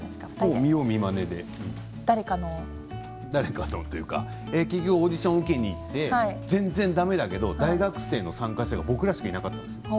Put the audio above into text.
見よう見まねでオーディションを受けに行って全然だめだけど大学生の参加者が僕らしかいなかったんです。